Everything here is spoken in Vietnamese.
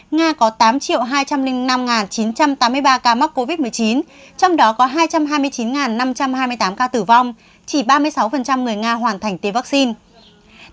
nga có tám hai trăm linh năm chín trăm tám mươi ba ca mắc covid một mươi chín trong đó có hai trăm hai mươi chín năm trăm hai mươi tám ca tử vong chỉ ba mươi sáu người nga hoàn thành tiêm vaccine